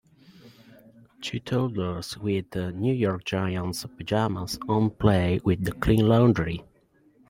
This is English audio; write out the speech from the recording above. Two toddlers with NY Giants pajamas on play with the clean laundry.